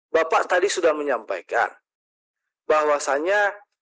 bapak tadi sudah menyampaikan bahwasannya